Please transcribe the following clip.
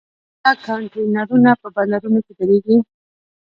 آیا کانټینرونه په بندرونو کې دریږي؟